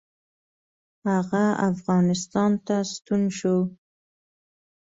هغه افغانستان ته ستون شو.